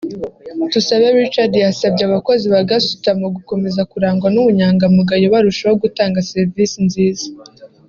Tusabe Richard yasabye abakozi ba gasutamo gukomeza kurangwa n’ubunyangamugayo barushaho gutanga servisi nziza